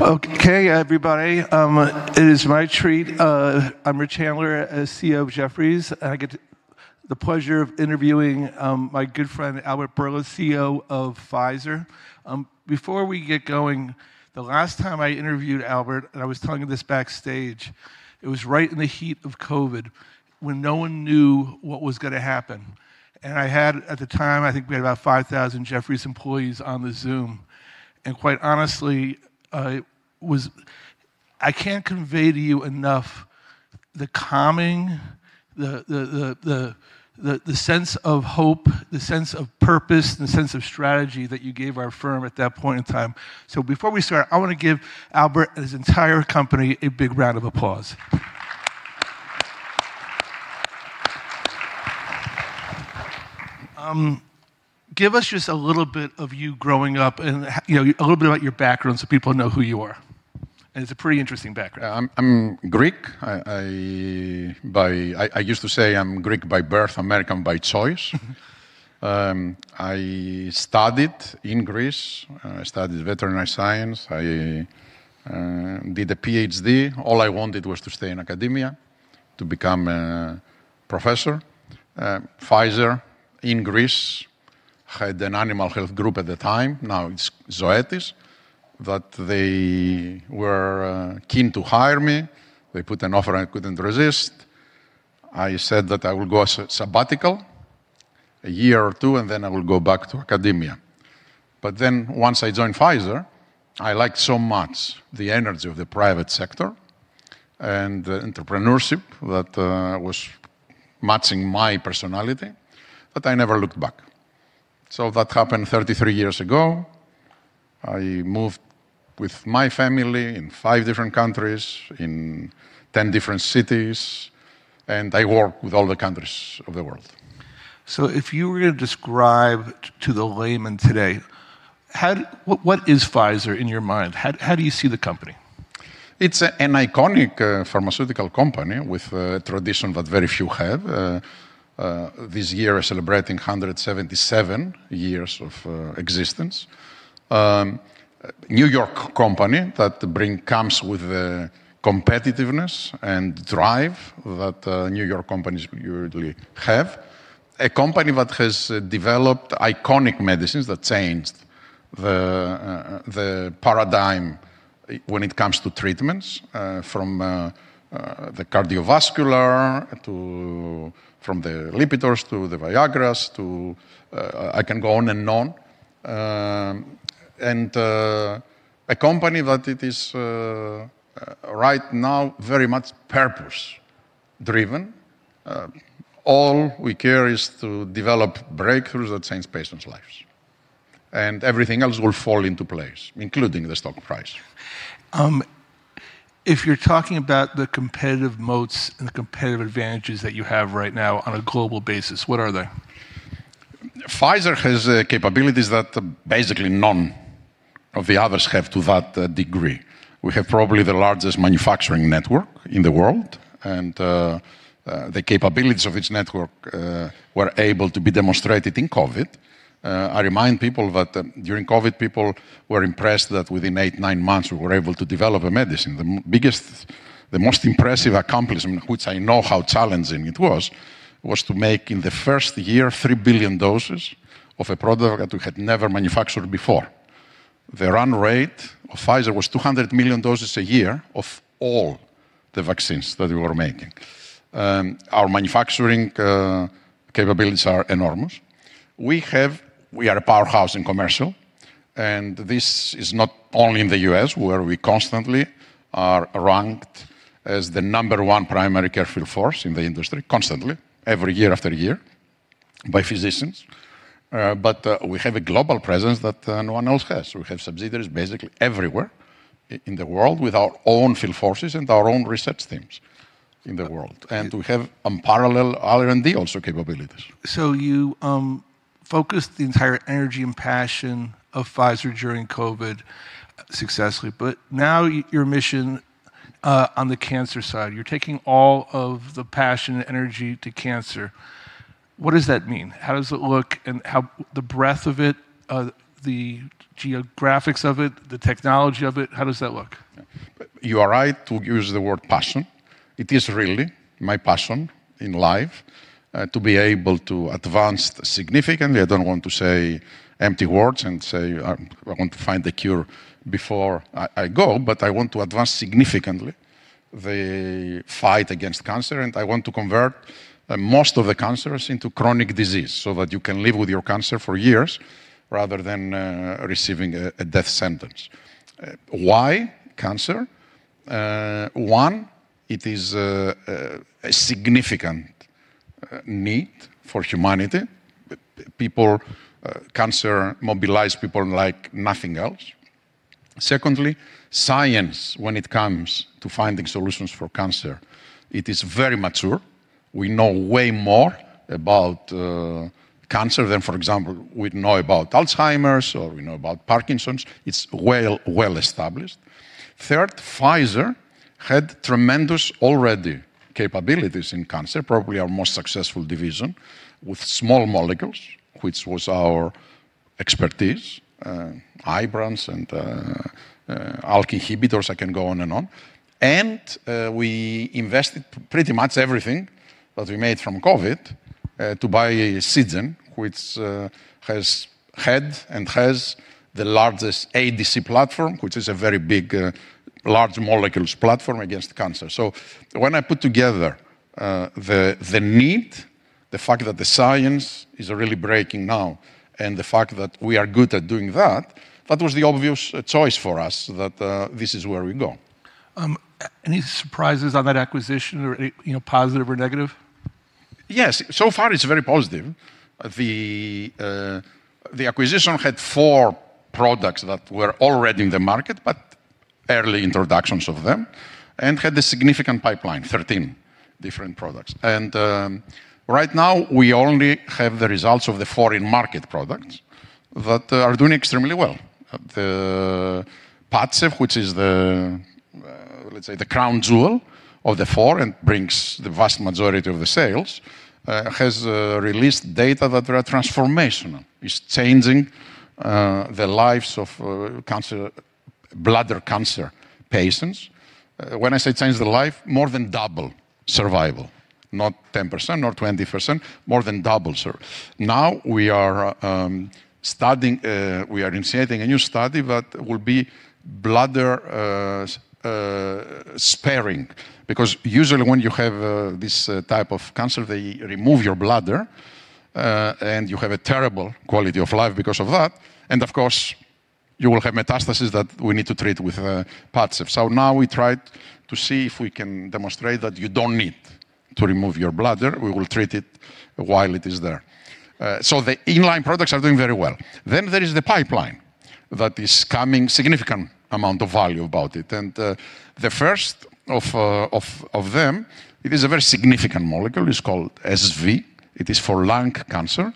Okay, everybody. It is my treat. I'm Rich Handler, CEO of Jefferies, and I get the pleasure of interviewing my good friend, Albert Bourla, CEO of Pfizer. Before we get going, the last time I interviewed Albert, and I was telling you this backstage, it was right in the heat of COVID when no one knew what was going to happen. I had, at the time, I think we had about 5,000 Jefferies employees on the Zoom, and quite honestly, I can't convey to you enough the calming, the sense of hope, the sense of purpose, and the sense of strategy that you gave our firm at that point in time. Before we start, I want to give Albert and his entire company a big round of applause. Give us just a little bit of you growing up and a little bit about your background so people know who you are. It's a pretty interesting background. I'm Greek. I used to say I'm Greek by birth, American by choice. I studied in Greece. I studied veterinary science. I did a PhD. All I wanted was to stay in academia to become a professor. Pfizer in Greece had an animal health group at the time. Now it's Zoetis. They were keen to hire me. They put an offer I couldn't resist. I said that I would go as sabbatical a year or two, and then I will go back to academia. Once I joined Pfizer, I liked so much the energy of the private sector and the entrepreneurship that was matching my personality, that I never looked back. That happened 33 years ago. I moved with my family in five different countries, in 10 different cities, and I work with all the countries of the world. If you were to describe to the layman today, what is Pfizer in your mind? How do you see the company? It's an iconic pharmaceutical company with a tradition that very few have. This year celebrating 177 years of existence. New York company that comes with the competitiveness and drive that New York companies usually have. A company that has developed iconic medicines that changed the paradigm when it comes to treatments, from the cardiovascular to from the Lipitor to the Viagras, I can go on and on. A company that it is, right now, very much purpose driven. All we care is to develop breakthroughs that change patients' lives, and everything else will fall into place, including the stock price. If you're talking about the competitive moats and the competitive advantages that you have right now on a global basis, what are they? Pfizer has capabilities that basically none of the others have to that degree. We have probably the largest manufacturing network in the world, and the capabilities of its network were able to be demonstrated in COVID. I remind people that during COVID, people were impressed that within eight, nine months, we were able to develop a medicine. The most impressive accomplishment, which I know how challenging it was to make, in the first year, three billion doses of a product that we had never manufactured before. The run rate of Pfizer was 200 million doses a year of all the vaccines that we were making. Our manufacturing capabilities are enormous. We are a powerhouse in commercial, and this is not only in the U.S., where we constantly are ranked as the number one primary care field force in the industry constantly, every year after year, by physicians. We have a global presence that no one else has. We have subsidiaries basically everywhere in the world with our own field forces and our own research teams in the world, and we have unparalleled R&D, also, capabilities. You focused the entire energy and passion of Pfizer during COVID successfully. Now your mission on the cancer side, you're taking all of the passion and energy to cancer. What does that mean? How does it look and the breadth of it, the geographics of it, the technology of it, how does that look? You are right to use the word passion. It is really my passion in life to be able to advance significantly. I don't want to say empty words and say, "I want to find the cure before I go," but I want to advance significantly the fight against cancer, and I want to convert most of the cancers into chronic disease so that you can live with your cancer for years rather than receiving a death sentence. Why cancer? One, it is a significant need for humanity. Cancer mobilizes people like nothing else. Secondly, science, when it comes to finding solutions for cancer, it is very mature. We know way more about cancer than, for example, we know about Alzheimer's, or we know about Parkinson's. It's well established. Third, Pfizer had tremendous already capabilities in cancer, probably our most successful division, with small molecules, which was our expertise. Ibrance and ALK inhibitors, I can go on and on. We invested pretty much everything that we made from COVID to buy Seagen, which had and has the largest ADC platform, which is a very big, large molecules platform against cancer. When I put together the need, the fact that the science is really breaking now, and the fact that we are good at doing that was the obvious choice for us, that this is where we go. Any surprises on that acquisition or positive or negative? Yes. So far, it's very positive. The acquisition had four products that were already in the market, but early introductions of them, and had a significant pipeline, 13 different products. Right now we only have the results of the four market products that are doing extremely well. The Padcev, which is the, let's say, the crown jewel of the four and brings the vast majority of the sales, has released data that are transformational. It's changing the lives of bladder cancer patients. When I say change the life, more than double survival, not 10%, not 20%, more than double. Now we are initiating a new study that will be bladder sparing because usually when you have this type of cancer, they remove your bladder, and you have a terrible quality of life because of that. Of course, you will have metastasis that we need to treat with Padcev. Now we try to see if we can demonstrate that you don't need to remove your bladder. We will treat it while it is there. The inline products are doing very well. There is the pipeline that is coming, significant amount of value about it. The first of them, it is a very significant molecule. It's called SV. It is for lung cancer.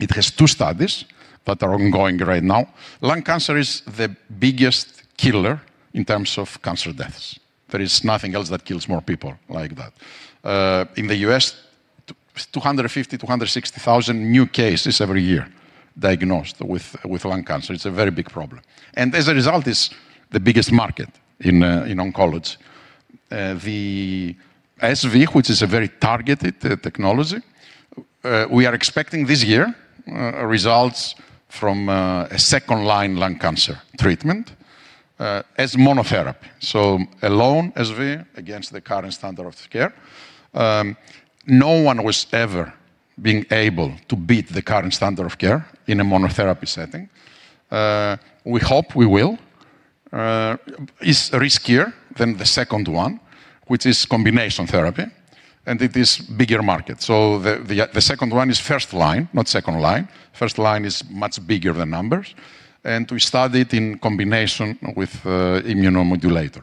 It has two studies that are ongoing right now. Lung cancer is the biggest killer in terms of cancer deaths. There is nothing else that kills more people like that. In the U.S., 250,000, 260,000 new cases every year diagnosed with lung cancer. It's a very big problem. As a result, it's the biggest market in oncology. The SV, which is a very targeted technology, we are expecting this year, results from a second-line lung cancer treatment, as monotherapy. Alone, SV, against the current standard of care. No one was ever being able to beat the current standard of care in a monotherapy setting. We hope we will. It's riskier than the second one, which is combination therapy, and it is bigger market. The second one is first line, not second line. First line is much bigger the numbers, and we studied in combination with immunomodulator.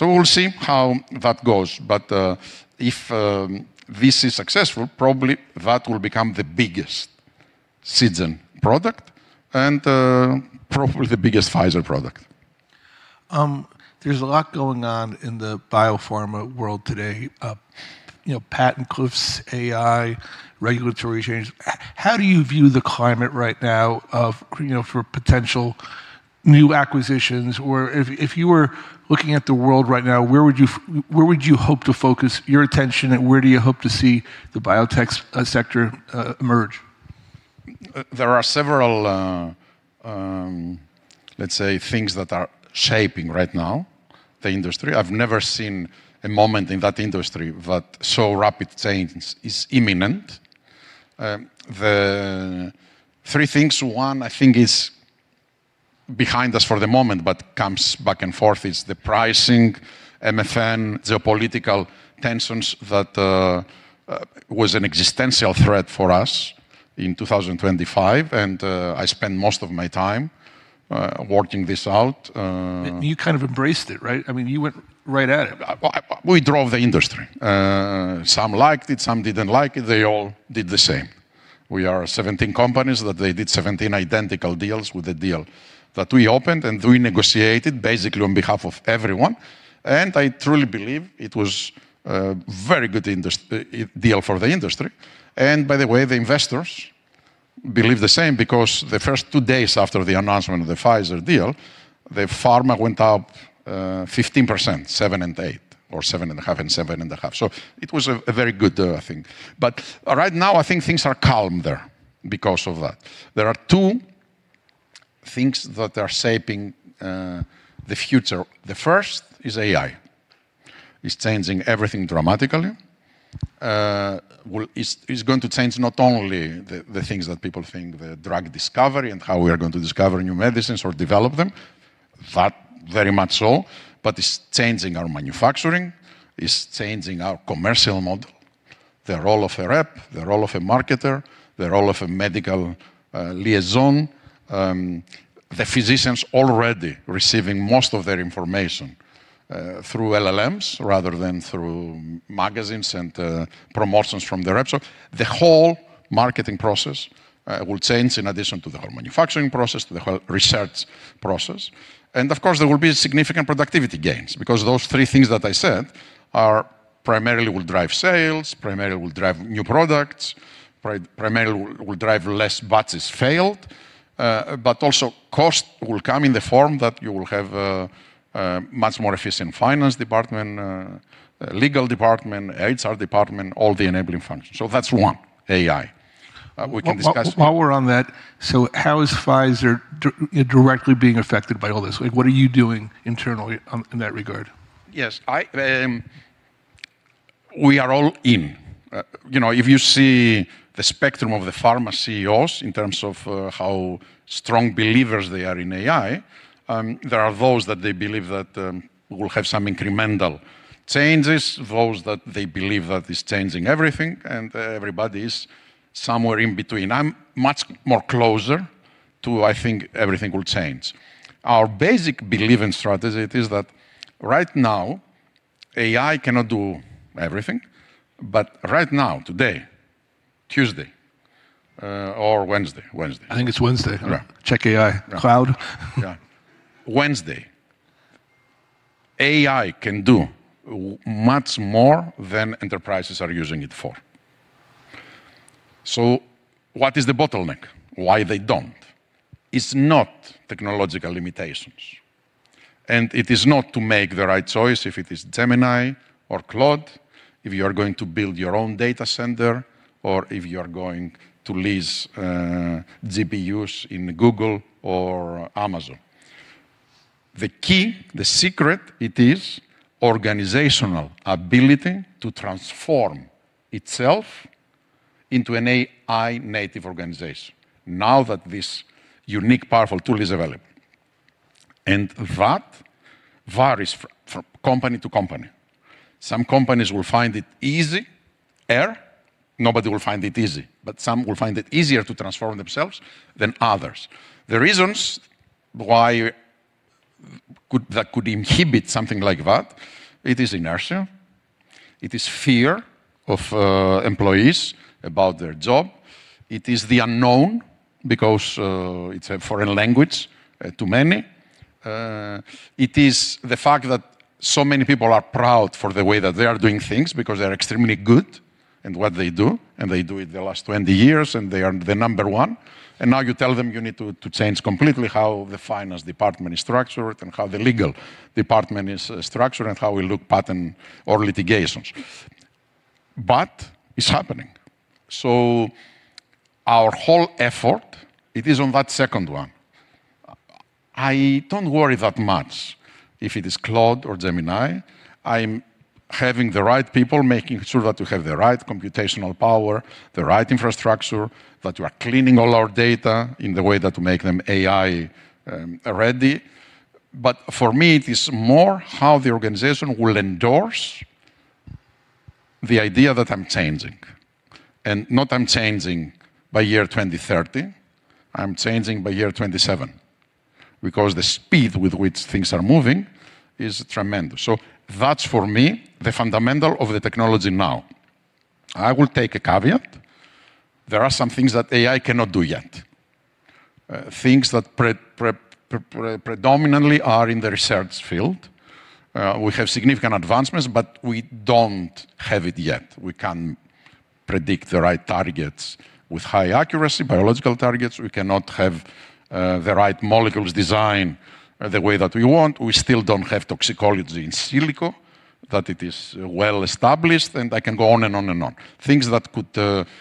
We'll see how that goes. If this is successful, probably that will become the biggest Seagen product and probably the biggest Pfizer product. There's a lot going on in the biopharma world today, patent cliffs, AI, regulatory change. How do you view the climate right now for potential new acquisitions? If you were looking at the world right now, where would you hope to focus your attention, and where do you hope to see the biotech sector emerge? There are several, let's say, things that are shaping right now the industry. I've never seen a moment in that industry that so rapid change is imminent. The three things, one I think is behind us for the moment but comes back and forth is the pricing, MFN, geopolitical tensions that was an existential threat for us in 2025, and I spent most of my time working this out. You kind of embraced it, right? You went right at it. We drove the industry. Some liked it, some didn't like it. They all did the same. We are 17 companies that they did 17 identical deals with the deal that we opened, and we negotiated basically on behalf of everyone. I truly believe it was a very good deal for the industry. By the way, the investors believe the same because the first two days after the announcement of the Pfizer deal, the pharma went up 15%, 7% and 8% or 7.5% and 7.5%. It was a very good thing. Right now, I think things are calmer because of that. There are two things that are shaping the future. The first is AI. It's changing everything dramatically. It's going to change not only the things that people think, the drug discovery and how we are going to discover new medicines or develop them. That very much so, it's changing our manufacturing. It's changing our commercial model. The role of a rep, the role of a marketer, the role of a medical liaison. The physicians already receiving most of their information, through LLMs rather than through magazines and promotions from the reps. The whole marketing process will change in addition to the whole manufacturing process, to the whole research process. Of course, there will be significant productivity gains because those three things that I said are primarily will drive sales, primarily will drive new products, primarily will drive less batches failed. Also cost will come in the form that you will have a much more efficient finance department, legal department, HR department, all the enabling functions. That's one, AI. We can discuss. While we're on that, how is Pfizer directly being affected by all this? What are you doing internally in that regard? Yes. We are all in. If you see the spectrum of the pharma CEOs in terms of how strong believers they are in AI, there are those that they believe that will have some incremental changes, those that they believe that it's changing everything, and everybody's somewhere in between. I'm much more closer to, I think everything will change. Our basic belief and strategy is that right now, AI cannot do everything. Right now, today, Tuesday, or Wednesday. I think it's Wednesday. All right. Check AI Claude. Yeah. Wednesday. AI can do much more than enterprises are using it for. What is the bottleneck? Why they don't? It is not technological limitations, and it is not to make the right choice if it is Gemini or Claude, if you are going to build your own data center, or if you are going to lease GPUs in Google or Amazon. The key, the secret, it is organizational ability to transform itself into an AI-native organization now that this unique, powerful tool is available. That varies from company to company. Some companies will find it easier. Nobody will find it easy, but some will find it easier to transform themselves than others. The reasons that could inhibit something like that, it is inertia, it is fear of employees about their job, it is the unknown because it is a foreign language to many. It is the fact that so many people are proud for the way that they are doing things because they're extremely good in what they do, and they do it the last 20 years, and they are the number one. Now you tell them you need to change completely how the finance department is structured and how the legal department is structured and how we look patent or litigations. It's happening. Our whole effort, it is on that second one. I don't worry that much if it is Claude or Gemini. I'm having the right people, making sure that we have the right computational power, the right infrastructure, that we are cleaning all our data in the way that will make them AI ready. For me, it is more how the organization will endorse the idea that I'm changing. Not I'm changing by year 2030, I'm changing by year 2027, because the speed with which things are moving is tremendous. That's, for me, the fundamental of the technology now. I will take a caveat. There are some things that AI cannot do yet. Things that predominantly are in the research field. We have significant advancements, but we don't have it yet. We can't predict the right targets with high accuracy, biological targets. We cannot have the right molecules designed the way that we want. We still don't have toxicology in silico, that it is well established. I can go on and on and on. Things that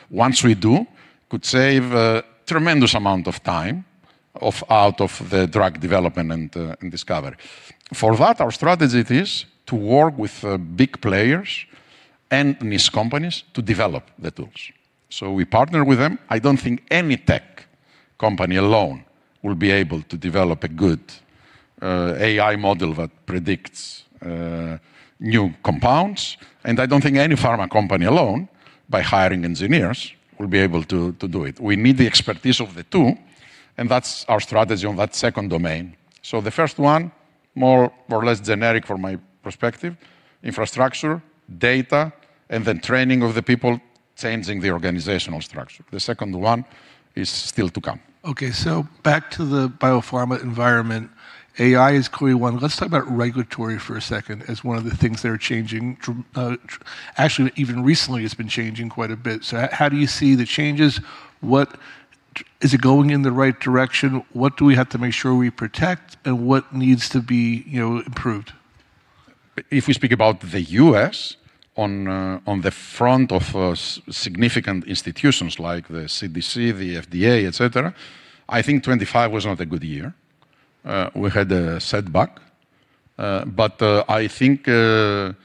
once we do, could save a tremendous amount of time out of the drug development and discovery. For that, our strategy is to work with big players and niche companies to develop the tools. We partner with them. I don't think any tech company alone will be able to develop a good AI model that predicts new compounds, and I don't think any pharma company alone, by hiring engineers, will be able to do it. We need the expertise of the two, and that's our strategy on that second domain. The first one, more or less generic from my perspective, infrastructure, data, and then training of the people, changing the organizational structure. The second one is still to come. Okay, back to the biopharma environment. AI is clearly one. Let's talk about regulatory for a second as one of the things that are changing. Actually, even recently, it's been changing quite a bit. How do you see the changes? Is it going in the right direction? What do we have to make sure we protect, and what needs to be improved? If we speak about the U.S., on the front of significant institutions like the CDC, the FDA, et cetera, I think 2025 was not a good year. We had a setback. I think the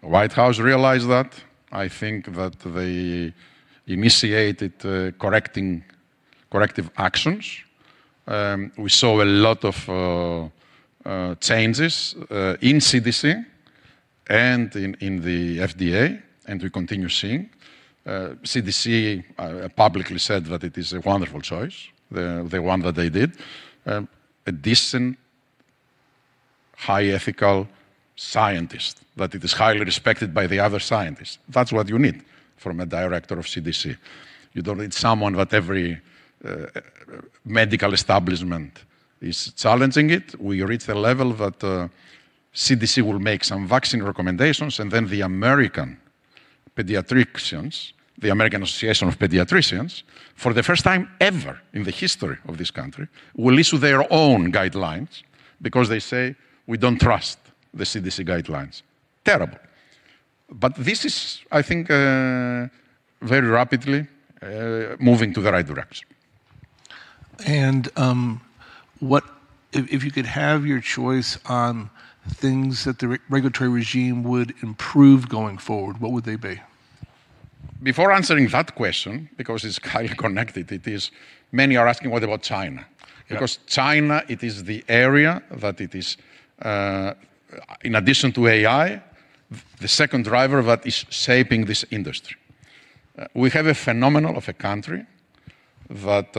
White House realized that. I think that they initiated corrective actions. We saw a lot of changes in CDC and in the FDA. We continue seeing. CDC publicly said that it is a wonderful choice, the one that they did. A decent, high ethical scientist that it is highly respected by the other scientists. That's what you need from a director of CDC. You don't need someone that every medical establishment is challenging it. We reach the level that the CDC will make some vaccine recommendations, and then the American Academy of Pediatrics, for the first time ever in the history of this country, will issue their own guidelines because they say, "We don't trust the CDC guidelines." Terrible. This is, I think, very rapidly moving to the right direction. If you could have your choice on things that the regulatory regime would improve going forward, what would they be? Before answering that question because it's highly connected, many are asking, what about China? Yeah. China, it is the area that it is, in addition to AI, the second driver that is shaping this industry. We have a phenomenon of a country that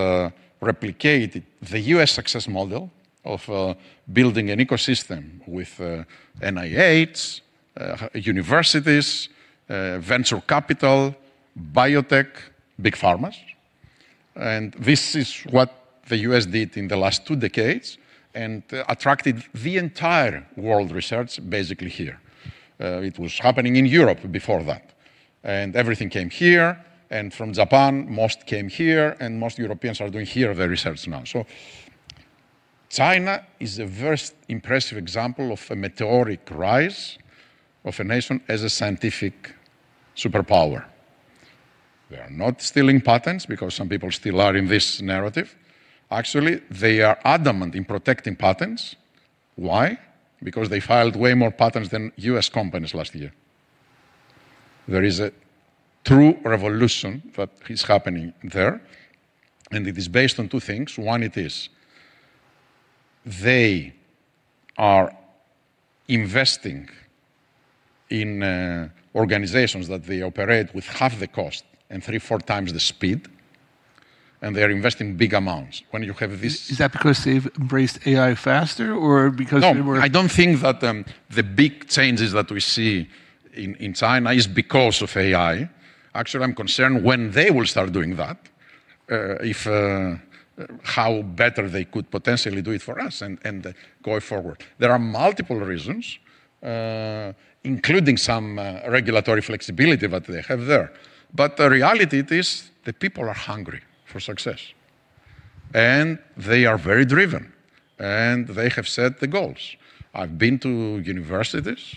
replicated the U.S. success model of building an ecosystem with NIH, universities, venture capital, biotech, big pharmas. This is what the U.S. did in the last two decades and attracted the entire world research basically here. It was happening in Europe before that. Everything came here, and from Japan, most came here, and most Europeans are doing here their research now. China is a very impressive example of a meteoric rise of a nation as a scientific superpower. They are not stealing patents because some people still are in this narrative. Actually, they are adamant in protecting patents. Why? Because they filed way more patents than U.S. companies last year. There is a true revolution that is happening there. It is based on two things. One, it is they are investing in organizations that they operate with half the cost and three, four times the speed. They are investing big amounts. Is that because they've embraced AI faster or because? No, I don't think that the big changes that we see in China is because of AI. Actually, I'm concerned when they will start doing that. How better they could potentially do it for us and going forward. There are multiple reasons, including some regulatory flexibility that they have there. The reality is the people are hungry for success, and they are very driven, and they have set the goals. I've been to universities,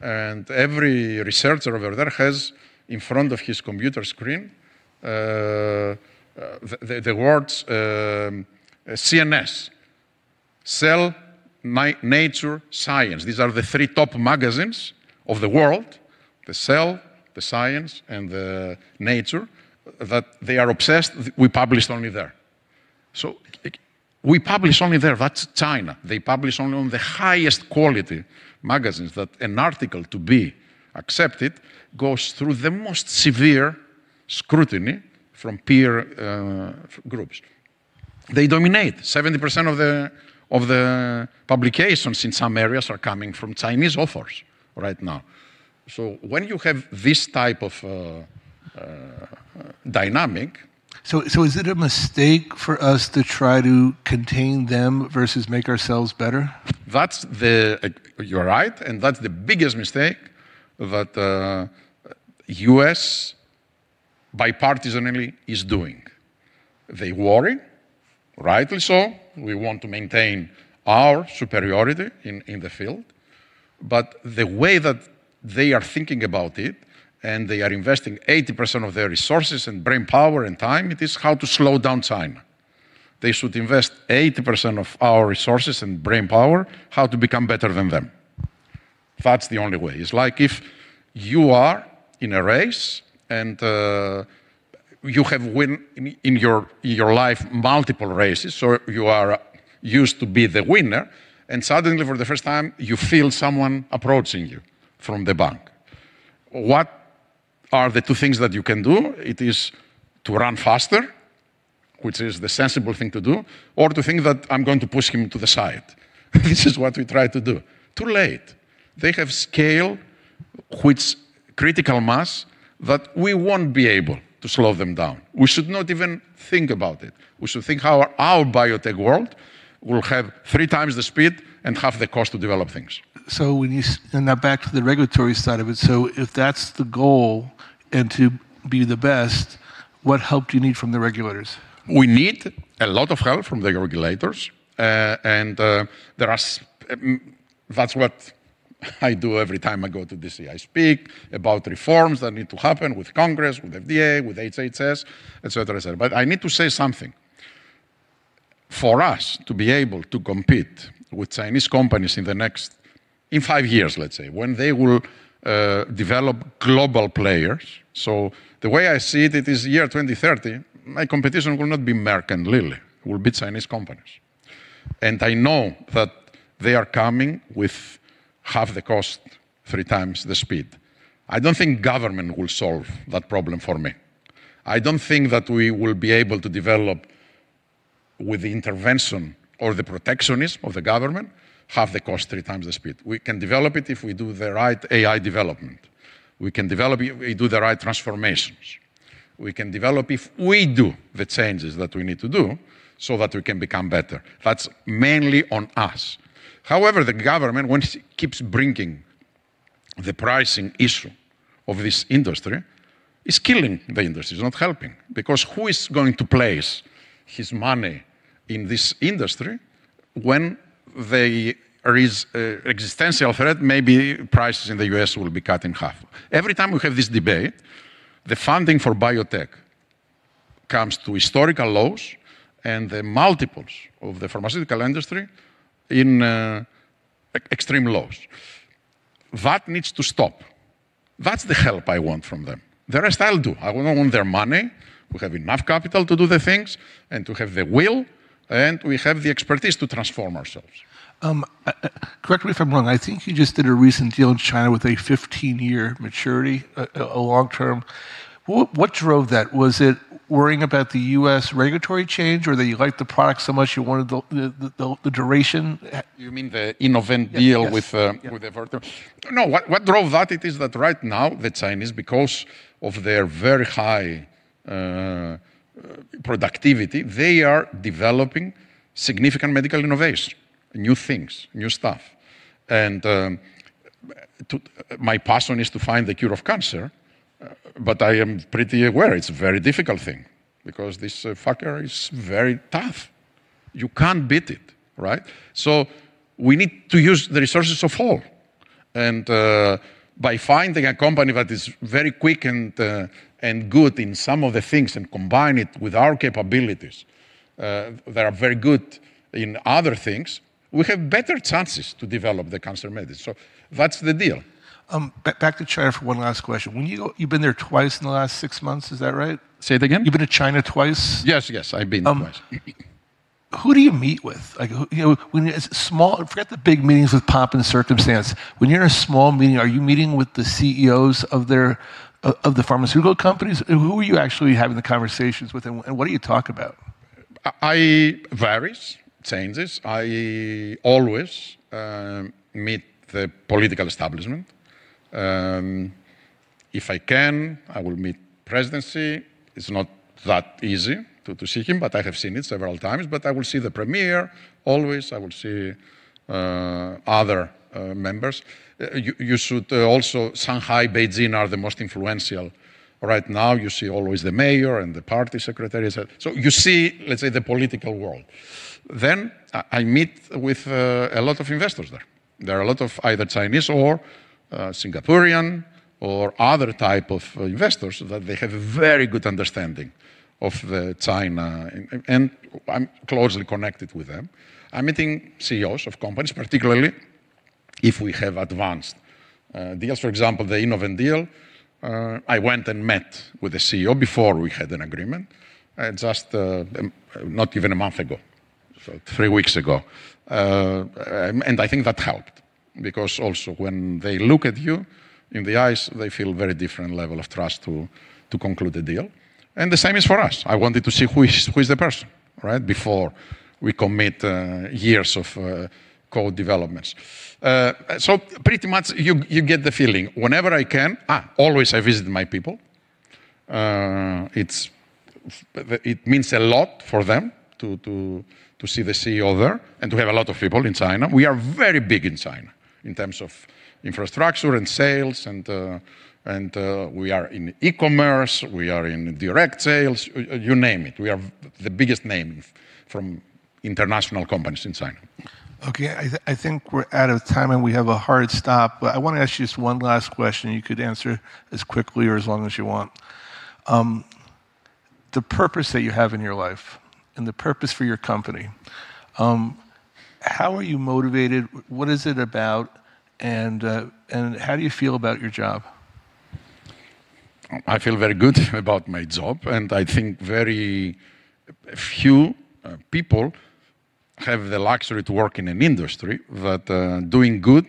and every researcher over there has in front of his computer screen the words CNS. "Cell," "Nature," "Science." These are the three top magazines of the world. The "Cell," the "Science," and the "Nature," that they are obsessed. We publish only there. We publish only there. That's China. They publish only on the highest quality magazines that an article to be accepted goes through the most severe scrutiny from peer groups. They dominate- 70% of the publications in some areas are coming from Chinese authors right now. Is it a mistake for us to try to contain them versus make ourselves better? You're right, and that's the biggest mistake that U.S. bipartisanly is doing. They worry, rightly so. We want to maintain our superiority in the field. The way that they are thinking about it, and they are investing 80% of their resources, and brain power, and time, it is how to slow down China. They should invest 80% of our resources and brain power how to become better than them. That's the only way. It's like if you are in a race and you have win in your life multiple races, so you are used to be the winner, and suddenly for the first time, you feel someone approaching you from the back. What are the two things that you can do? It is to run faster, which is the sensible thing to do, or to think that I'm going to push him to the side. This is what we try to do. Too late. They have scale with critical mass that we won't be able to slow them down. We should not even think about it. We should think how our biotech world will have three times the speed and half the cost to develop things. Now back to the regulatory side of it. If that's the goal and to be the best, what help do you need from the regulators? We need a lot of help from the regulators. That's what I do every time I go to D.C. I speak about reforms that need to happen with Congress, with FDA, with HHS, et cetera. I need to say something. For us to be able to compete with Chinese companies in five years, let's say, when they will develop global players. The way I see it is year 2030, my competition will not be Merck and Lilly, will be Chinese companies. I know that they are coming with half the cost, three times the speed. I don't think government will solve that problem for me. I don't think that we will be able to develop with the intervention or the protectionism of the government, half the cost, three times the speed. We can develop it if we do the right AI development. We can develop it if we do the right transformations. We can develop if we do the changes that we need to do so that we can become better. That's mainly on us. The government, when it keeps bringing. The pricing issue of this industry is killing the industry. It's not helping because who is going to place his money in this industry when there is existential threat, maybe prices in the U.S. will be cut in half? Every time we have this debate, the funding for biotech comes to historical lows and the multiples of the pharmaceutical industry in extreme lows. That needs to stop. That's the help I want from them. The rest, I'll do. I don't want their money. We have enough capital to do the things, and to have the will, and we have the expertise to transform ourselves. Correct me if I'm wrong, I think you just did a recent deal in China with a 15-year maturity, a long term. What drove that? Was it worrying about the U.S. regulatory change or that you liked the product so much you wanted the duration? You mean the Innovent deal with- Yes vepdegestrant? No. What drove that it is that right now the Chinese, because of their very high productivity, they are developing significant medical innovation, new things, new stuff. My passion is to find the cure of cancer, but I am pretty aware it's a very difficult thing because this fucker is very tough. You can't beat it, right? We need to use the resources of all. By finding a company that is very quick and good in some of the things and combine it with our capabilities that are very good in other things, we have better chances to develop the cancer medicine. That's the deal. Back to China for one last question. You've been there twice in the last six months, is that right? Say it again. You've been to China twice? Yes, yes. I've been twice. Who do you meet with? Forget the big meetings with pomp and circumstance. When you're in a small meeting, are you meeting with the CEOs of the pharmaceutical companies? Who are you actually having the conversations with, and what do you talk about? It varies, changes. I always meet the political establishment. If I can, I will meet presidency. It's not that easy to see him, but I have seen him several times. I will see the premier always. I will see other members. Shanghai, Beijing are the most influential right now. You see always the mayor and the party secretaries. You see, let's say, the political world. I meet with a lot of investors there. There are a lot of either Chinese or Singaporean or other type of investors that they have a very good understanding of the China, and I'm closely connected with them. I'm meeting CEOs of companies, particularly if we have advanced deals. For example, the Innovent deal, I went and met with the CEO before we had an agreement, just not even a month ago. Three weeks ago. I think that helped because also when they look at you in the eyes, they feel very different level of trust to conclude the deal. The same is for us. I wanted to see who is the person before we commit years of co-developments. Pretty much you get the feeling. Whenever I can, always I visit my people. It means a lot for them to see the CEO there and to have a lot of people in China. We are very big in China in terms of infrastructure and sales, and we are in e-commerce, we are in direct sales. You name it. We are the biggest name from international companies in China. Okay. I think we're out of time, and we have a hard stop. I want to ask you just one last question, you could answer as quickly or as long as you want. The purpose that you have in your life and the purpose for your company, how are you motivated? What is it about, and how do you feel about your job? I feel very good about my job, and I think very few people have the luxury to work in an industry that doing good,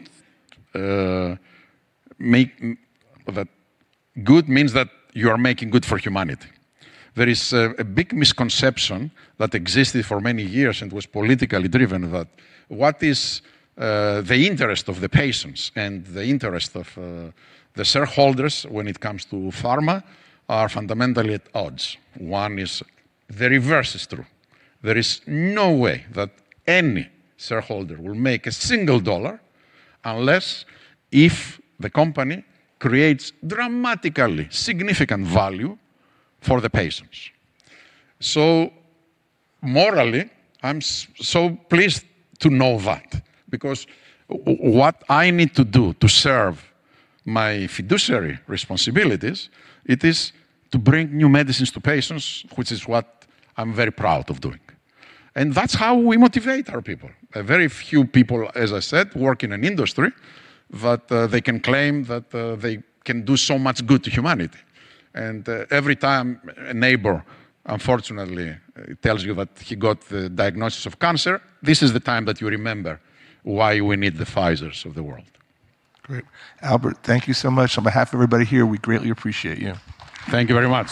that good means that you are making good for humanity. There is a big misconception that existed for many years and was politically driven, that what is the interest of the patients and the interest of the shareholders when it comes to pharma are fundamentally at odds. The reverse is true. There is no way that any shareholder will make a $1 unless if the company creates dramatically significant value for the patients. Morally, I'm so pleased to know that because what I need to do to serve my fiduciary responsibilities, it is to bring new medicines to patients, which is what I'm very proud of doing. That's how we motivate our people. Very few people, as I said, work in an industry that they can claim that they can do so much good to humanity. Every time a neighbor, unfortunately, tells you that he got the diagnosis of cancer, this is the time that you remember why we need the Pfizers of the world. Great. Albert, thank you so much. On behalf of everybody here, we greatly appreciate you. Thank you very much.